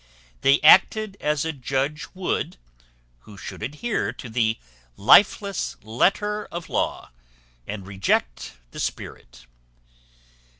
They acted as a judge would, who should adhere to the lifeless letter of law, and reject the spirit.